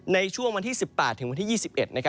ในช่วงวันที่๑๘ถึงวันที่๒๑